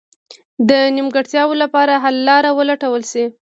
د نیمګړتیاوو لپاره حل لاره ولټول شي.